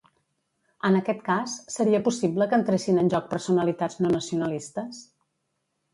En aquest cas, seria possible que entressin en joc personalitats no nacionalistes?